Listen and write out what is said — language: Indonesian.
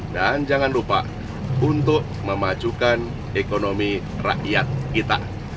dan jangan lupa untuk memajukan ekonomi rakyat kita